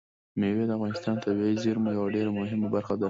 مېوې د افغانستان د طبیعي زیرمو یوه ډېره مهمه برخه ده.